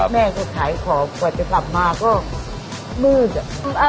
แม่ก็ขายของกว่าจะกลับมาก็มืดอะ